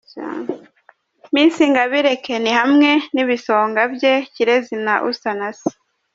Miss Ingabire Kenny hamwe n'ibisonga bye Kirezi na Usanase.